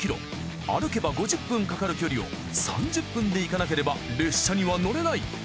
歩けば５０分かかる距離を３０分で行かなければ列車には乗れない。